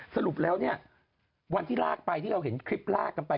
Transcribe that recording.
สรุปแล้วเนี่ยวันที่ลากไปที่เราเห็นคลิปลากกันไป